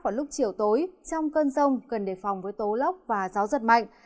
vào lúc chiều tối trong cơn rông cần đề phòng với tố lốc và gió giật mạnh